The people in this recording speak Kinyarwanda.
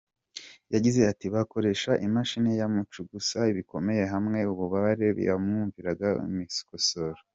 Yagize ati “Bakoreshaga imashini yamucugusaga bikomeye hamwe ububabare yabwumviraga mu misokoro.